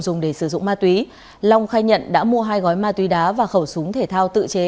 dùng để sử dụng ma túy long khai nhận đã mua hai gói ma túy đá và khẩu súng thể thao tự chế